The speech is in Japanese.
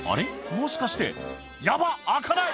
もしかして、やばっ、開かない！